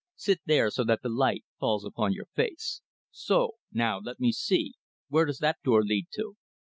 Sit there so that the light falls upon your face. So! Now let me see. Where does that door lead to?"